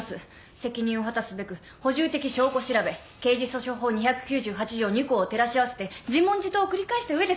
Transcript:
責任を果たすべく補充的証拠調べ刑事訴訟法２９８条２項を照らし合わせて自問自答を繰り返した上でその必要性を。